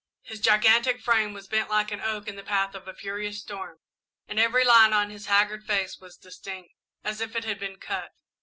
His gigantic frame was bent like an oak in the path of a furious storm and every line on his haggard face was distinct, as if it had been cut.